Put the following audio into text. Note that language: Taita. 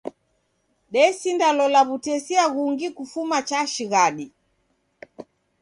Desindalola w'utesia ghungi kufuma cha shighadi.